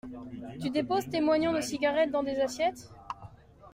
Tu déposes tes moignons de cigarettes dans des assiettes ?